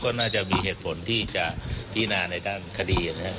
ก็น่าจะมีเหตุผลที่จะพินาในด้านคดีนะครับ